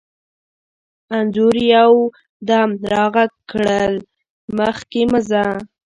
انځور یو دم را غږ کړ: مخکې مه ځه.